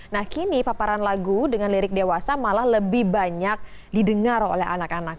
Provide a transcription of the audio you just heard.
nah kini paparan lagu dengan lirik dewasa malah lebih banyak didengar oleh anak anak